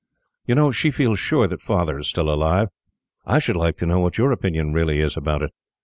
You know she feels sure that Father is still alive. I should like to know what your opinion really is about it.